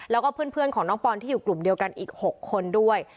แล้วก็เพื่อนของน้องปอนที่อยู่กลุ่มเดียวกันอีก๖คนด้วย